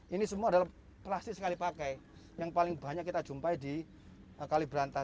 ini semua adalah plastik sekali pakai yang paling banyak kita jumpai di kali berantas